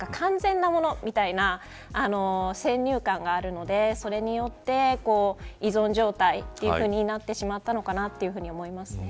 完全なものみたいな先入観があるのでそれによって依存状態というふうになってしまったのかな